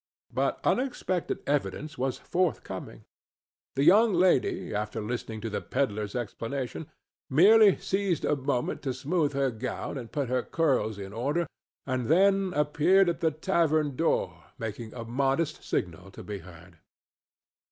But unexpected evidence was forthcoming. The young lady, after listening to the pedler's explanation, merely seized a moment to smooth her gown and put her curls in order, and then appeared at the tavern door, making a modest signal to be heard.